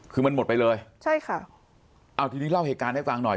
คือมันหมดไปเลยใช่ค่ะเอาทีนี้เล่าเหตุการณ์ให้ฟังหน่อย